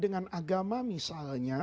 dengan agama misalnya